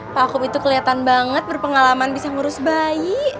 pak akum itu kelihatan banget berpengalaman bisa ngurus bayi